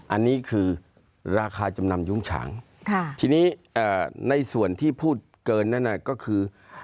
อันนี้คือราคาจำนำยุ้งฉางทีนี้ในส่วนที่พูดเกินนั่นก็คือ